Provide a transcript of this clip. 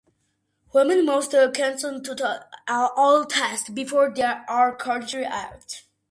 Women must consent to all tests before they are carried out.